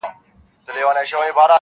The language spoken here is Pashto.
کله کله یې سکوت هم مسؤلیت دی ,